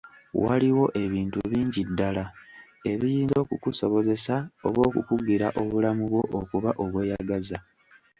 Waliwo ebintu bingi ddala ebiyinza okukusobozesa oba okukugira obulamu bwo okuba obweyagaza.